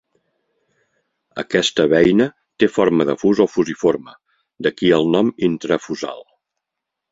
Aquesta beina té forma de fus o "fusiforme", d'aquí el nom "intrafusal".